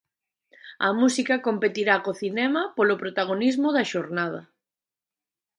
A música competirá co cinema polo protagonismo da xornada.